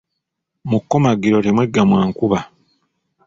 Mu kkomagiro temweggamwa nkuba.